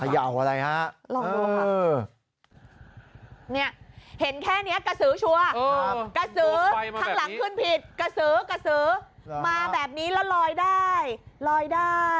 เห็นแค่มันกสึจัง